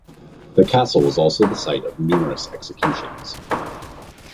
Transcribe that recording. The castle was also the site of numerous executions.